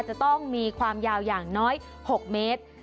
จะต้องมีความยาวอย่างน้อย๖เมตร